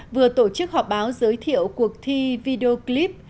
vừa tổ chức họp báo giới thiệu cuộc thi video clip